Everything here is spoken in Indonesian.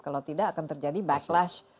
kalau tidak akan terjadi backlash